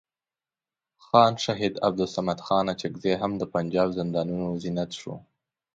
خان شهید عبدالصمد خان اڅکزی هم د پنجاب زندانونو زینت شو.